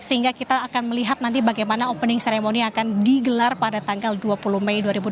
sehingga kita akan melihat nanti bagaimana opening ceremony akan digelar pada tanggal dua puluh mei dua ribu dua puluh